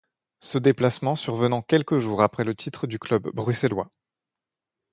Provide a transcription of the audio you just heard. Ce déplacement survenant quelques jours après le titre du club bruxellois.